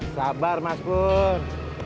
sabar mas pur